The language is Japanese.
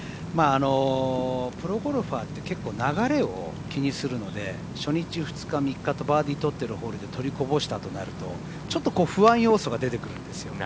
プロゴルファーって結構流れを気にするので初日、２日、３日とバーディー取ってるホールで取りこぼしたとなると、ちょっと不安要素が出てくるんですよ。